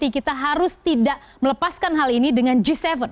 kita harus tidak melepaskan hal ini dengan g tujuh